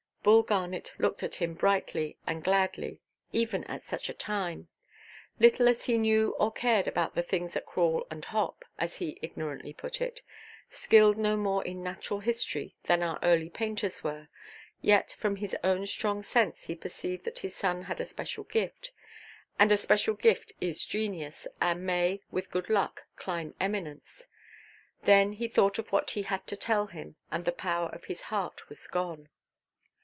Bull Garnet looked at him brightly and gladly, even at such a time. Little as he knew or cared about the things that crawl and hop—as he ignorantly put it—skilled no more in natural history than our early painters were, yet from his own strong sense he perceived that his son had a special gift; and a special gift is genius, and may (with good luck) climb eminence. Then he thought of what he had to tell him, and the power of his heart was gone.